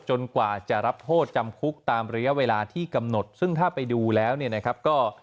กว่าจะรับโทษจำคุกตามระยะเวลาที่กำหนดซึ่งถ้าไปดูแล้วเนี่ยนะครับก็